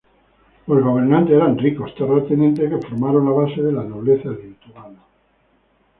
Los gobernantes eran ricos terratenientes que formaron las bases de la nobleza lituana.